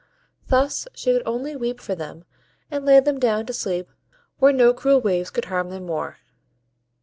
Thus she could only weep for them, and lay them down to sleep where no cruel waves could harm them more.